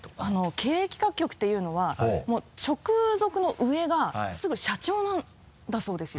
経営企画局っていうのはもう直属の上がすぐ社長なんだそうですよ。